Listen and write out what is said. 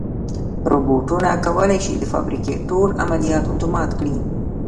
روبوټونه کولی شي د فابریکې ټول عملیات اتومات کړي.